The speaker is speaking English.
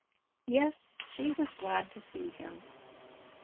Yes, she was glad to see him.